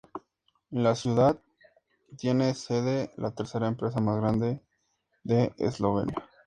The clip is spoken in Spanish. En la ciudad tiene sede la tercera empresa más grande de Eslovenia.